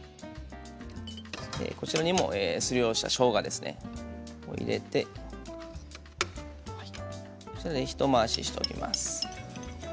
こちらにもすりおろしたしょうがを入れてひと回ししておきます。